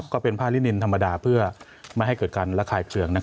ก็เป็นผ้าลินินธรรมดาเพื่อไม่ให้เกิดการระคายเปลือง